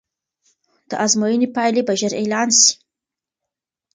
د ازموینې پایلې به ژر اعلان سي.